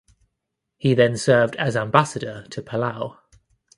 He then served as ambassador to Palau.